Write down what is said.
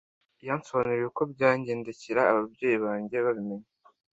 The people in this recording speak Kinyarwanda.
Yansobanuriye uko byangendekera ababyeyi banjye babimenye